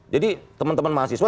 jadi teman teman mahasiswa